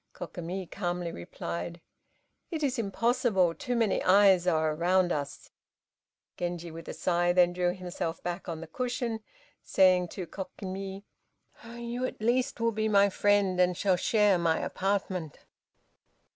Kokimi calmly replied, "It is impossible, too many eyes are around us!" Genji with a sigh then threw himself back on the cushion, saying to Kokimi, "You, at least, will be my friend, and shall share my apartment!"